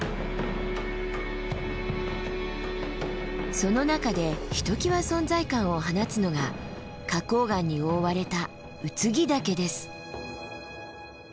その中でひときわ存在感を放つのが花崗岩に覆われた空木岳です。